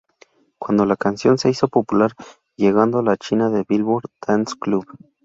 Cuando la canción se hizo popular, llegando a la cima del Billboard Dance Club.